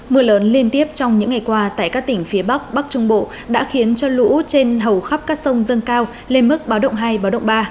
mưa lớn liên tiếp trong những ngày qua tại các tỉnh phía bắc bắc trung bộ đã khiến cho lũ trên hầu khắp các sông dâng cao lên mức báo động hai báo động ba